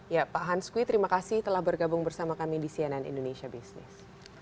ya pak hans kui terima kasih telah bergabung bersama kami di cnn indonesia business